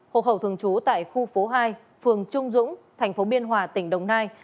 hộ khẩu thường trú tại khu phố hai phường trung dũng thành phố biên hòa tỉnh đồng nai